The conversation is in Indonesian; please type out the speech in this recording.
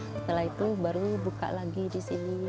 setelah itu baru buka lagi di sini